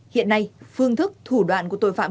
hiện nay phương thức thủ đoạn của tội phạm